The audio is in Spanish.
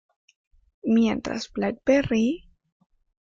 Mientras BlackBerry.